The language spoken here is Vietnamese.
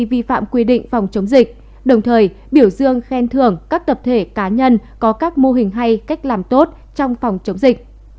vi phạm quy định phòng chống dịch đồng thời biểu dương khen thưởng các tập thể cá nhân có các mô hình hay cách làm tốt trong phòng chống dịch